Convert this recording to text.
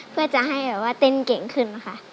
เพื่อจะให้แบบว่าเต้นเก่งขึ้นค่ะ